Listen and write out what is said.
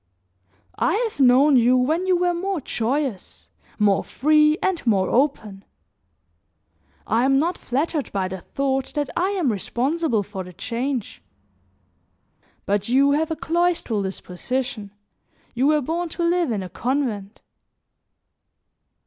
I have known you when you were more joyous, more free and more open; I am not flattered by the thought that I am responsible for the change. But you have a cloistral disposition; you were born to live in a convent."